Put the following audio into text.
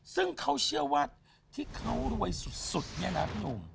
ซึ่งเขาเชื่อว่าที่เขารวยสุดเนี่ยนะพี่หนุ่ม